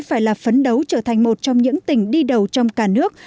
phải là phấn đấu trở thành một trong những tỉnh đi đầu trong cả nước